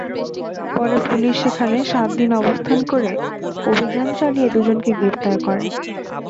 পরে পুলিশ সেখানে সাত দিন অবস্থান করে অভিযান চালিয়ে দুজনকে গ্রেপ্তার করে।